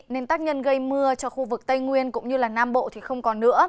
nên tác nhân gây mưa cho khu vực tây nguyên cũng như nam bộ